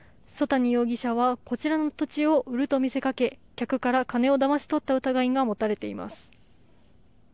曽谷容疑者はこちらの土地を売ると見せかけ客から金をだまし取った疑いが持たれています。